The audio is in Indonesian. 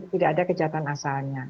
tidak ada kejahatan asalnya